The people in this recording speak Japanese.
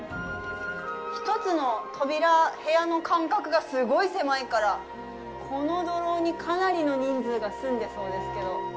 １つの扉、部屋の間隔がすごい狭いからこの土楼にかなりの人数が住んでそうですけど。